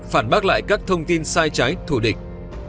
phản bác lại các thông tin sai trái thù địch